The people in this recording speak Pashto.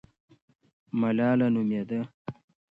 ملاله نومېده.